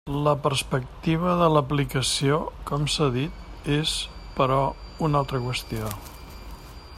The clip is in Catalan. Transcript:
La perspectiva de l'aplicació, com s'ha dit, és, però, una altra qüestió.